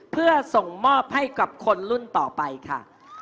เพื่อส่งมอบให้กับคนรุ่นต่อไปค่ะ